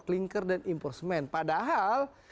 klingker dan impor semen padahal